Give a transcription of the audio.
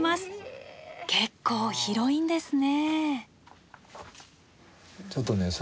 結構広いんですね。